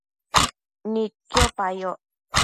Nidquipa yoc